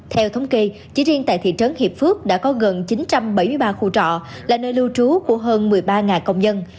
theo thống kê chỉ riêng tại thị trấn hiệp phước đã có gần chín trăm bảy mươi ba khu trọ là nơi lưu trú của hơn một mươi ba công nhân